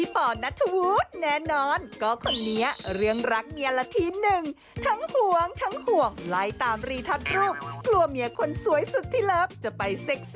โปรดติดตามตอนต่อไป